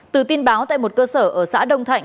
từ tin báo tại một cơ sở ở xã đông thạnh